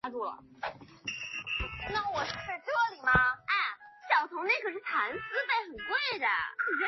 惯性静电约束利用电场来牵引带电粒子。